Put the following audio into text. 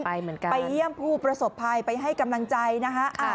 ไปเยี่ยมผู้ประสบภัยไปให้กำลังใจนะคะ